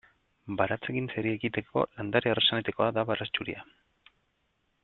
Baratzegintzari ekiteko landare errazenetakoa da baratxuria.